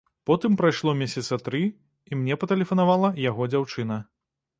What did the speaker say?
Потым прайшло месяцы тры, і мне патэлефанавала яго дзяўчына.